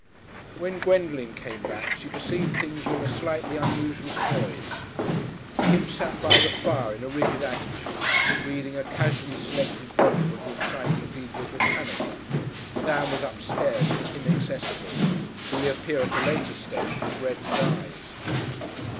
When Gwendolen came back she perceived things were in a slightly unusual poise. Kipps sat by the fire in a rigid attitude reading a casually selected volume of the Encyclopaedia Britannica, and Ann was upstairs and inaccessible to reappear at a later stage with reddened eyes.